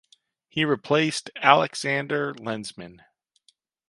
He replaced Aleksander Lensman.